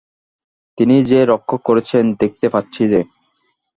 তিনি যে রক্ষে করছেন, দেখতে পাচ্ছি যে।